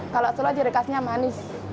kalau solo jirekasnya manis